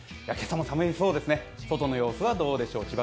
今朝も寒そうですね、外の様子はどうでしょう。